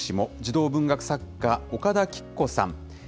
児童文学作家、岡田貴久子さん。